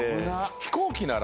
飛行機ならね